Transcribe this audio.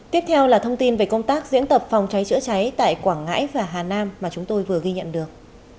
tiếp theo là thông tin về công tác diễn tập phòng cháy chữa cháy tại quảng ngãi và hà nam mà chúng tôi vừa ghi nhận được